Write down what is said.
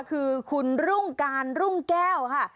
คือคุณรุ่งการรุ่งแก้วค่ะ